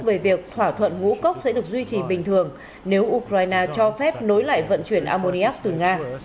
về việc thỏa thuận ngũ cốc sẽ được duy trì bình thường nếu ukraine cho phép nối lại vận chuyển ammuriak từ nga